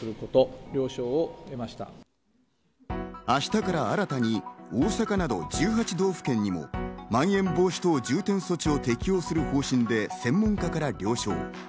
明日から新たに大阪など１８道府県にも、まん延防止等重点措置を適用する方針で専門家から了承。